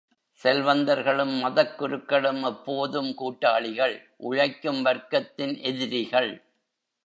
செல்வந்தர்களும் மதக் குருக்களும் எப்போதும் கூட்டாளிகள் உழைக்கும் வர்க்கத்தின் எதிரிகள்.